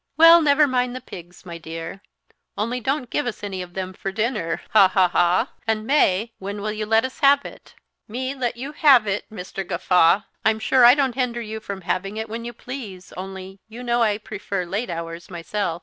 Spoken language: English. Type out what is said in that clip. "Well, never mind the pigs, my dear; only don't give us any of them for dinner ha, ha, ha I and, May, when will you let us have it?" "Me let you have it, Mr. Gawffaw! I'm sure I don't hinder you from having it when you please, only you know I prefer late hours myself.